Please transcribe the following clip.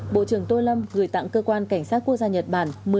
bộ trưởng tô lâm gửi tặng cơ quan cảnh sát quốc gia nhật bản